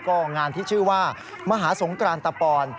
ก็งานที่ชื่อว่ามหาสงกรานตะปอน